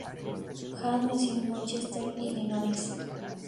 Hahn nació en Westchester, Illinois.